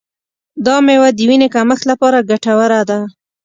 دا میوه د وینې کمښت لپاره ګټوره ده.